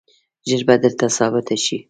ژر به درته ثابته شي.